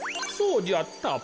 そうじゃった。